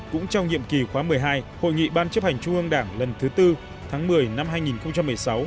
cũng trong nhiệm kỳ khóa một mươi hai hội nghị ban chấp hành trung ương đảng lần thứ bốn tháng một mươi năm hai nghìn một mươi sáu